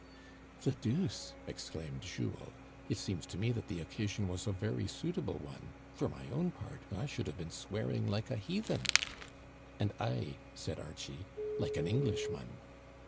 The deuce !" exclaimed Jules, " it seems to me that the occasion was a very suitable one. For my own part, I should have been swearing like a heathen.*' " And I," said Archie, " like an Englishman."